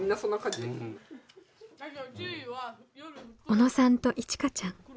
小野さんといちかちゃん。